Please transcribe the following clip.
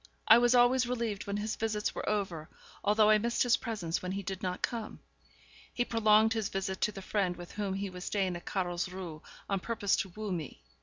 I was always relieved when his visits were over, although I missed his presence when he did not come. He prolonged his visit to the friend with whom he was staying at Carlsruhe, on purpose to woo me.